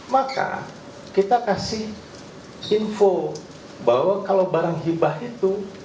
maka kita kasih info bahwa kalau barang hibah itu